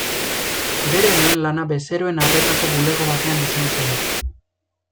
Bere lehen lana bezeroen arretako bulego batean izan zen.